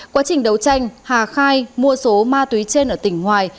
quá trình đấu tranh hà khai mua số ma túy trên ở tỉnh ngoài